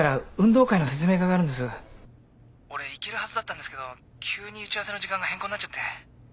俺行けるはずだったんですけど急に打ち合わせの時間が変更になっちゃって。